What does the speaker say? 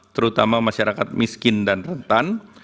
terutama masyarakat miskin dan rentan